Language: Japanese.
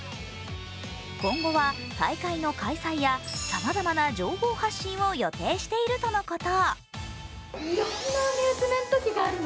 今後は大会の開催やさまざまな情報発信を予定しているとのこと。